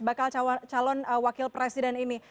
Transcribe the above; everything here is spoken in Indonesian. bakal calon wakil presiden ini